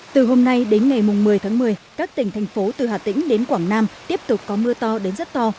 từ hôm nay đến ngày một mươi tháng một mươi các tỉnh thành phố từ hà tĩnh đến quảng nam tiếp tục có mưa to đến rất to